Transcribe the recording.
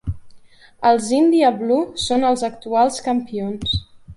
Els India Blue són els actuals campions.